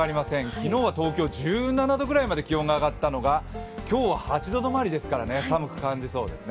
昨日は東京１７度くらいまで気温が上がったのが今日は８度止まりですから寒く感じそうですね。